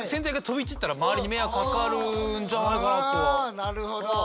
なるほど。